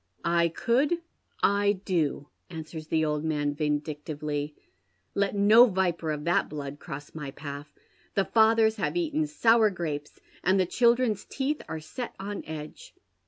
"I could. I do," answers the old man, vindictively. "Let no viper of that blood cross my path. ' The fathers have eaten sour grapes, and the children's teeth are set on edge.'